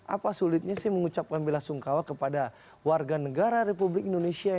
apa sulitnya sih mengucapkan bela sungkawa kepada warga negara republik indonesia